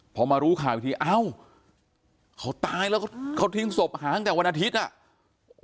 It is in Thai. พอมารู้ข่าวอีกทีเอ้าเขาตายแล้วเขาทิ้งศพหาตั้งแต่วันอาทิตย์อ่ะ